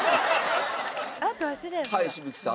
はい紫吹さん。